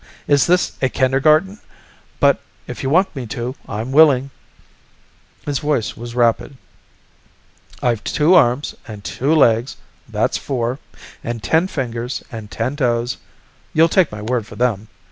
"Is this a kindergarten? But if you want me to, I'm willing." His voice was rapid. "I've two arms, and two legs, that's four. And ten fingers and ten toes you'll take my word for them?